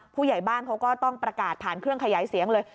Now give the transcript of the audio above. ผู้ใหญ่บ้านเขาก็ต้องประกาศผ่านเครื่องขยายเสียงเลย